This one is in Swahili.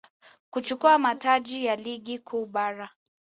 kuchukua mataji ya Ligi Kuu Bara